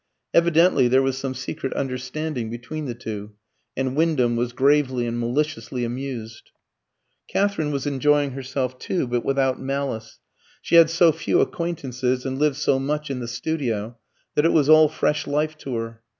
Evidently there was some secret understanding between the two, and Wyndham was gravely and maliciously amused. Katherine was enjoying herself too, but without malice. She had so few acquaintances and lived so much in the studio, that it was all fresh life to her.